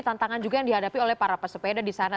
tantangan juga yang dihadapi oleh para pesepeda di sana